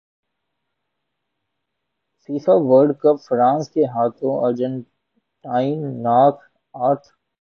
FIFA World cup France کے ہاتھوں Argentina knock out